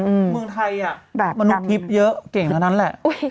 เมืองไทยอ่ะแบบมนุษย์ทิพย์เยอะเก่งเท่านั้นแหละ